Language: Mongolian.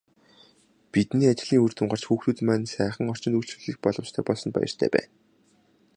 Бидний ажлын үр дүн гарч, хүүхдүүд маань сайхан орчинд үйлчлүүлэх боломжтой болсонд баяртай байна.